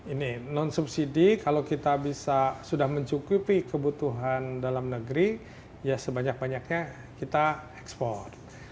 ini non subsidi kalau kita bisa sudah mencukupi kebutuhan dalam negeri ya sebanyak banyaknya kita ekspor